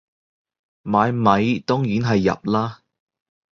買米當然係入喇